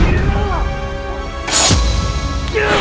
terima kasih sedulur